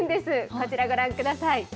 こちらご覧ください。